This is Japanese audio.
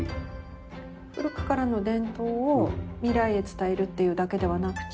古くからの伝統を未来へ伝えるというだけではなくて。